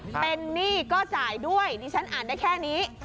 เป็นหนี้ก็จ่ายด้วยดิฉันอ่านได้แค่นี้